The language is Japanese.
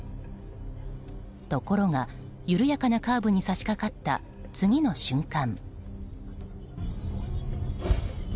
ところが、緩やかなカーブに差し掛かった次の瞬間。